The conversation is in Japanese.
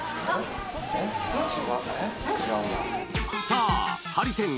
さあハリセン